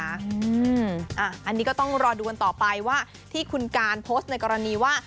อันนี้ก็ต้องรอดูกันต่อไปว่าที่คุณการโพสต์ในกรณีว่า